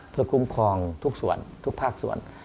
เพื่อคุ้มครองทุกส่วนทุกภาคส่วน